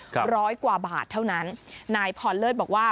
ร้อยกว่าบาทเท่านั้นนายพรเลิศบอกว่า